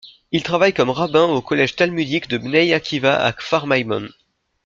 Il travaille comme rabbin au collège talmudique de Bnei Akiva à Kfar Maimon.